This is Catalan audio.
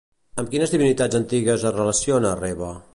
Amb quines divinitats antigues es relaciona Reva?